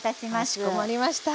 かしこまりました。